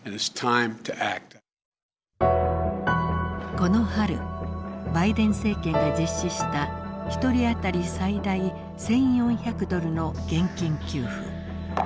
この春バイデン政権が実施した１人当たり最大１，４００ドルの現金給付。